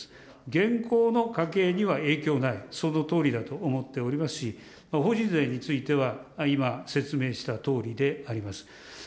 現行の家計には影響ない、そのとおりだと思っておりますし、法人税については、今、説明したとおりであります。